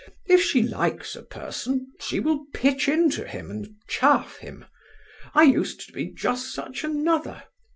If she likes a person she will pitch into him, and chaff him. I used to be just such another.